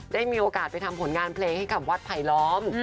ได้มีโอกาสไปทำผลงานเพลงให้กับวัดไผลล้อม